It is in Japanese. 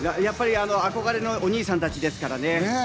憧れの兄さんたちですからね。